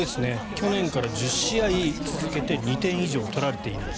去年から１０試合続けて２点以上取られていない。